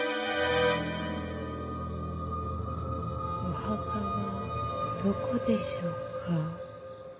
・お墓はどこでしょうか。